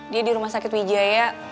dia di rumah sakit wijaya